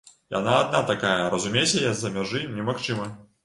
Яна адна такая, разумець яе з-за мяжы немагчыма.